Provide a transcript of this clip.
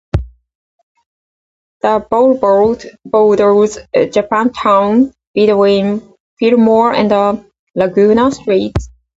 The boulevard borders Japantown between Fillmore and Laguna Streets.